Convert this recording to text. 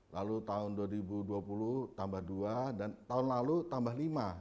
lalu tahun dua ribu dua puluh tambah dua dan tahun lalu tambah lima